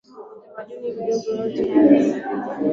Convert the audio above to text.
kitamaduni vijiji vidogo yote haya ni ya riba